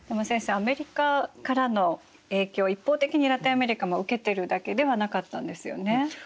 アメリカからの影響一方的にラテンアメリカも受けてるだけではなかったんですよね？